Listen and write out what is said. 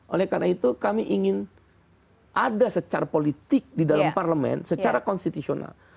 oleh karena itu kami ingin ada secara politik di dalam parlemen secara konstitusional